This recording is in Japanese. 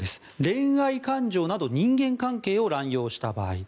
恋愛感情など人間関係を乱用した場合。